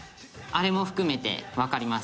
あれも含めてわかりました。